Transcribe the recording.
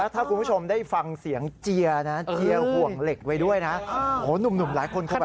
ถ้าคุณผู้ชมได้ฟังเสียงเจียร์ห่วงเหล็กไว้ด้วยนะหนุ่มหลายคนเขาแบบ